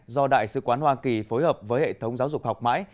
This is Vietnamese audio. do đại sứ quán hoa kỳ phối hợp với hệ thống giáo dục học mãi